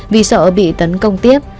vì sợ bị tấn công tiếp